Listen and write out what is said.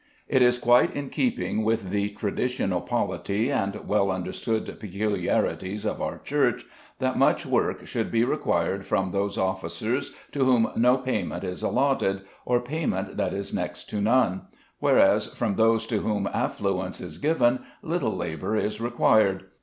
It is quite in keeping with the traditional polity and well understood peculiarities of our Church that much work should be required from those officers to whom no payment is allotted, or payment that is next to none; whereas from those to whom affluence is given little labour is required.